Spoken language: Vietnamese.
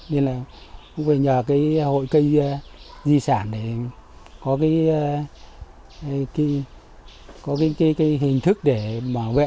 nên là cũng về nhờ cái hội cây di sản để có cái hình thức để bảo vệ